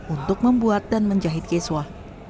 untuk membuat dan menjahit kiswah